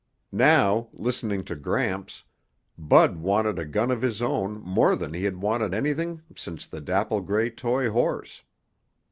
Now, listening to Gramps, Bud wanted a gun of his own more than he had wanted anything since the dapple gray toy horse.